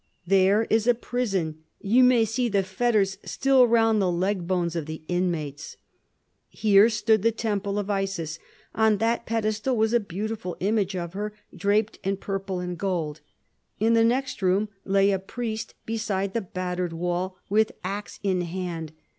There is the prison; you may see the fetters still round the leg bones of the inmates. Here stood the temple of Isis. On that pedestal was a beautiful image of her, draped in purple and gold. In the next room lay a priest beside the battered wall, with axe in hand.